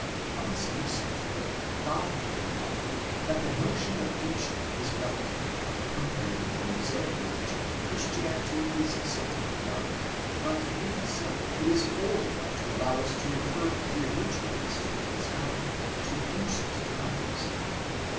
On the same subject, "Gabler® remarked that the notion of ancient is relative; compared with the Mosaic religion Christianity is certainly young; but in itself it is old enough 'to allow us to refer the original history of its founder to ancient times.